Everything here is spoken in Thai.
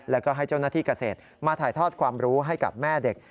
แล้วก็ให้เจ้าหน้าที่เกษตรมาถ่ายทอดความรู้ให้กับแม่เด็ก